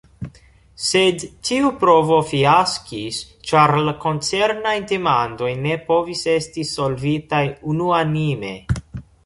Sed tiu provo fiaskis ĉar la koncernaj demandoj ne povis esti solvitaj unuanime.